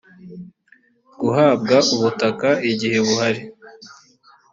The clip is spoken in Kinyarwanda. guhabwa ubutaka igihe buhari